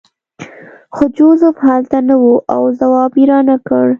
خو جوزف هلته نه و او ځواب یې رانکړ